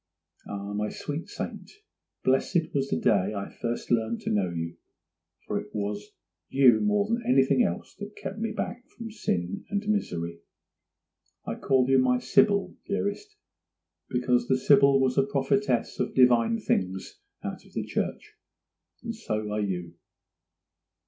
Ah, my sweet saint, blessed was the day I first learned to know you! for it was you more than anything else that kept me back from sin and misery. I call you my Sibyl, dearest, because the Sibyl was a prophetess of divine things out of the church; and so are you.